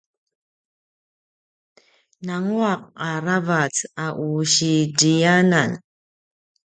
nanguaq a ravac a u si ziyanan